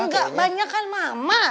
enggak banyakan mama